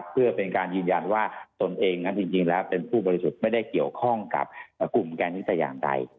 เพื่อเป็นการยืนยันว่าตนเองนั้นจริงแล้วเป็นผู้บริสุทธิ์ไม่ได้เกี่ยวข้องกับกลุ่มแกนนิสัยอย่างใด